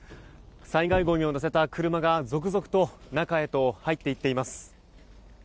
災害ごみを載せた車が続々と、中へと入っていっています。